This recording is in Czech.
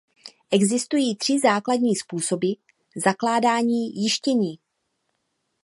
Existují tři základní způsoby zakládání jištění.